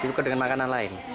ditukar dengan makanan lain